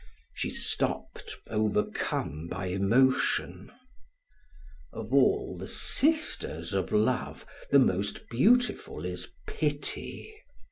She stopped, overcome by emotion. Of all the sisters of love, the most beautiful is pity.